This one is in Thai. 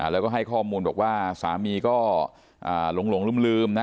แล้วก็ให้ข้อมูลบอกว่าสามีก็หลงลืมนะ